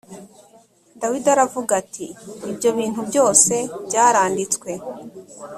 dawidi aravuga ati ibyo bintu byose byaranditswe